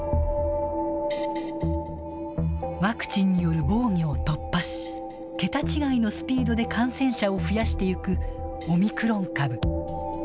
ワクチンによる防御を突破し桁違いのスピードで感染者を増やしていくオミクロン株。